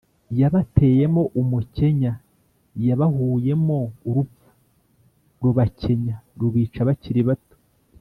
yabateyemo umukenya: yabahuyemo urupfu rubakenya (rubica bakiri bato)